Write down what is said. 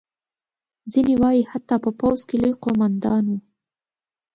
ځینې وایي حتی په پوځ کې لوی قوماندان وو.